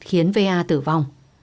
khiến va tử vong